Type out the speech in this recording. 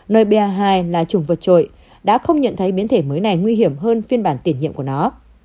nơi ba hai là chủng vật trội đã không nhận thấy biến thể mới này nguy hiểm hơn phiên bản tiền nhiệm của nó